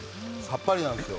さっぱりなんですよ。